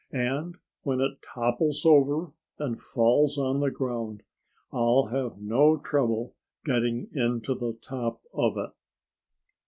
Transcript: And when it topples over and falls on the ground I'll have no trouble getting into the top of it."